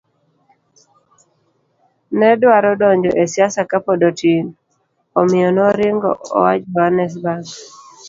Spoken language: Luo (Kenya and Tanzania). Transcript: ne dwaro donjo e siasa ka pod otin, omiyo noringo oa Johannesburg.